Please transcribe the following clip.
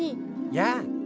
やあ！